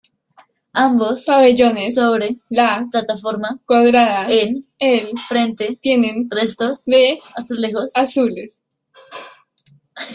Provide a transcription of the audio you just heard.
Ambos pabellones sobre la plataforma cuadrada en el frente tienen restos de azulejos azules.